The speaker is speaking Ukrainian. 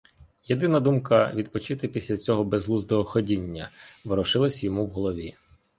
Єдина думка відпочити після цього безглуздого ходіння ворушилась йому в голові.